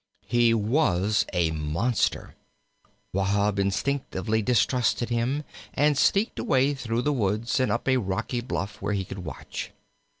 He was a monster. Wahb instinctively distrusted him, and sneaked away through the woods and up a rocky bluff where he could watch.